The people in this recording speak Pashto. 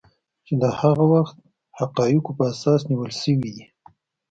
چې د هغه وخت حقایقو په اساس نیول شوي دي